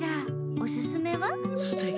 おすすめは？